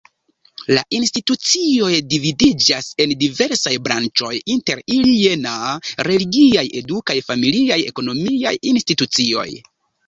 La institucioj dividiĝas en diversaj branĉoj inter ili jena: religiaj, edukaj, familiaj, ekonomiaj institucioj.